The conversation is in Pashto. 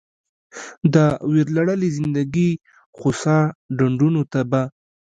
د ویرلړلې زندګي خوسا ډنډونو ته به